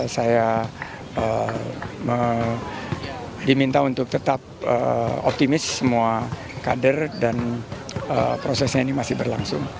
saya diminta untuk tetap optimis semua kader dan prosesnya ini masih berlangsung